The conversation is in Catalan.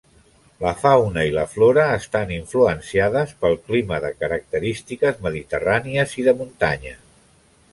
La fauna i la flora estan influenciades pel clima de característiques mediterrànies i de muntanya.